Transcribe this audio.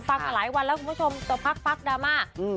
ใช่ค่ะ